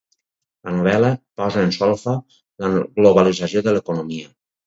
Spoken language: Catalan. La novel·la posa en solfa la globalització de l'economia.